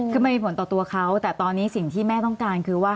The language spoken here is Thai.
คือมันมีผลต่อตัวเขาแต่ตอนนี้สิ่งที่แม่ต้องการคือว่า